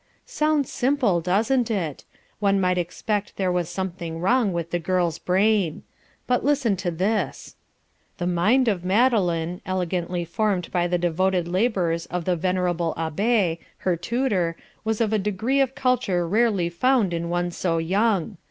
Sounds simple, doesn't it? One might suspect there was something wrong with the girl's brain. But listen to this: "The mind of Madeline, elegantly formed by the devoted labours of the venerable Abbe, her tutor, was of a degree of culture rarely found in one so young.